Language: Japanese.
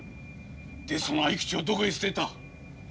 でそのあいくちをどこへ捨てた？